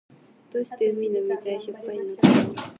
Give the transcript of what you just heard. どうして海の水はしょっぱいのかな。